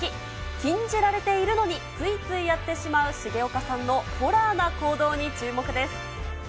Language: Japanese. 禁じられているのに、ついついやってしまう、重岡さんのホラーな行動に注目です。